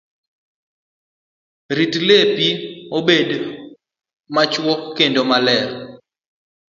Rit lepi obed machuok kendo maler.